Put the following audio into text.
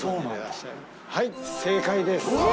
はい正解です。